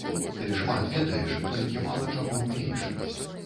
Ты шмат ведаеш, толькі мала чаго ўмееш.